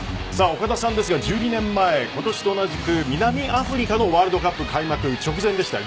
岡田さんですが１２年前、今年と同じく南アフリカのワールドカップ開幕直前でした。